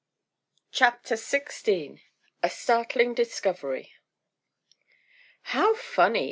CHAPTER XVI A STARTLING DISCOVERY "How funny!"